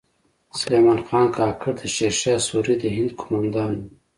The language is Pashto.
سلیمان خان کاکړ د شیر شاه سوري د هند کومندان و